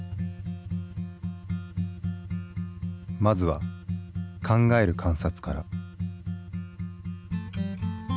まずは「考える観察」から。